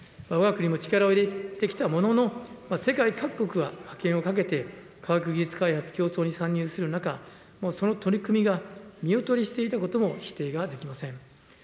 わが国も力を入れてきたものの、世界各国は覇権をかけて、科学技術開発競争に参入する中、もうその取り組みが見劣りしていたことも否定ができません。